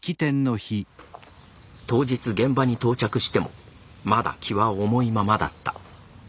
当日現場に到着してもまだ気は重いままだった。